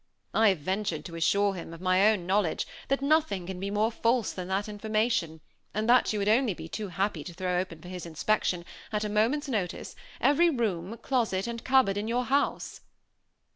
I have ventured to assure him, of my own knowledge, that nothing can be more false than that information, and that you would be only too happy to throw open for his inspection, at a moment's notice, every room, closet, and cupboard in your house."